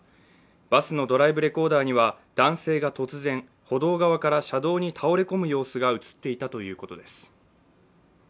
バスのドライブレコーダーには男性が突然、歩道側から車道に倒れ込む様子が映っていたということです。